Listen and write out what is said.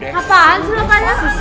ngapain sudah tanya sama kamu